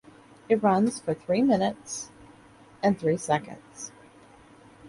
It runs for three minutes and three seconds.